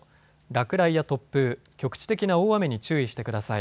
落雷や突風、局地的な大雨に注意してください。